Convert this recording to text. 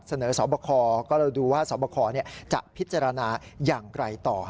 สบคก็เราดูว่าสอบคอจะพิจารณาอย่างไรต่อ